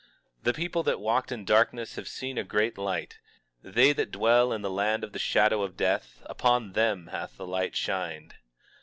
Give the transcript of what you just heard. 19:2 The people that walked in darkness have seen a great light; they that dwell in the land of the shadow of death, upon them hath the light shined.